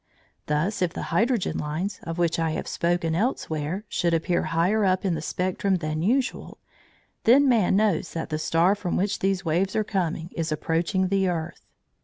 Thus if the hydrogen lines, of which I have spoken elsewhere, should appear higher up the spectrum than usual, then man knows that the star from which these waves are coming is approaching the earth.